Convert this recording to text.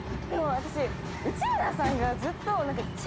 私内村さんがずっと。